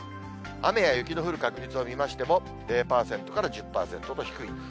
雨や雪の降る確率を見ましても、０％から１０％と低い。